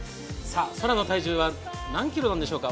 ソラの体重は何キロなんでしょうか。